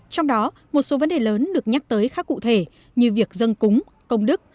trong đó một số vấn đề lớn được nhắc tới khá cụ thể như việc dân cúng công đức